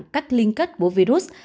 cách liên kết của virus